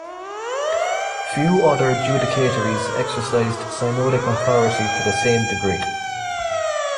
Few other judicatories exercised synodic authority to the same degree.